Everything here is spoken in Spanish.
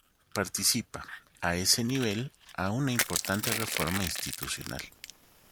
Participa, a ese nivel, a una importante reforma institucional.